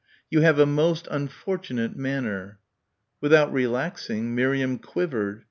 "You have a most unfortunate manner." Without relaxing, Miriam quivered.